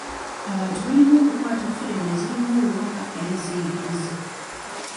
Abantu balina okukwata firimu ezirimu obubaka era eziyigiriza.